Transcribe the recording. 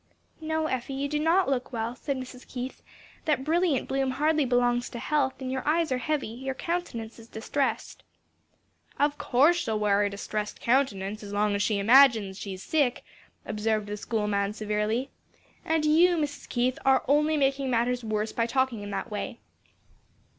"No, Effie, you do not look well," said Mrs. Keith; "that brilliant bloom hardly belongs to health, and your eyes are heavy, your countenance is distressed." "Of course she'll wear a distressed countenance as long as she imagines she's sick," observed the schoolma'am severely. "And you, Mrs. Keith, are only making matters worse by talking in that way."